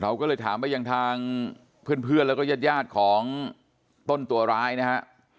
ก็เลยถามไปยังทางเพื่อนแล้วก็ญาติยาดของต้นตัวร้ายนะฮะ